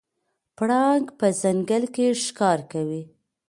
پړانګ په ځنګل کې ښکار کوي.